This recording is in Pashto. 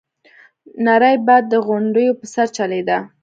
نری باد د غونډيو په سر چلېده.